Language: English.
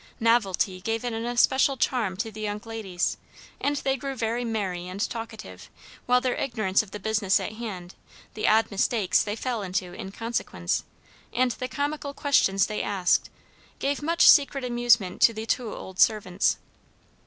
Novelty gave it an especial charm to the young ladies, and they grew very merry and talkative, while their ignorance of the business in hand, the odd mistakes they fell into in consequence, and the comical questions they asked, gave much secret amusement to the two old servants.